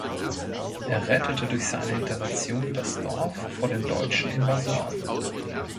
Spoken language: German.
Er rettete durch seine Intervention das Dorf vor den deutschen Invasoren.